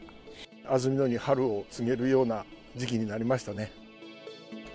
安曇野に春を告げるような時期になりましたね。